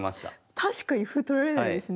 確かに歩取られないですね。